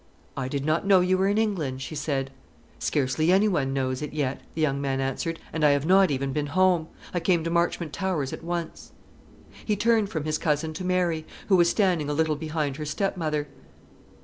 "I did not know you were in England," she said. "Scarcely any one knows it yet," the young man answered; "and I have not even been home. I came to Marchmont Towers at once." He turned from his cousin to Mary, who was standing a little behind her stepmother.